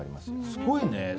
すごいね。